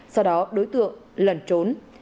sau đó đối tượng lần trốn